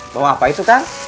bawa apa itu kan